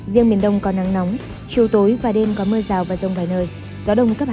riêng miền đông có nắng nóng chiều tối và đêm có mưa rào và rông vài nơi gió đông cấp hai